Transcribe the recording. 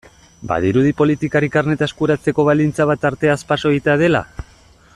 Badirudi politikari karneta eskuratzeko baldintza bat arteaz paso egitea dela?